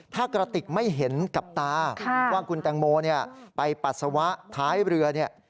ถ้ากระติกไม่เห็นกับตาว่าคุณแตงโมไปปัสสาวะท้ายเรือเนี่ย